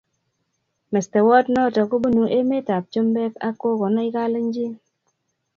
Mestowot noto kobunu emet ab chumbek ak kokonai kalenjin